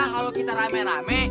kalau kita rame rame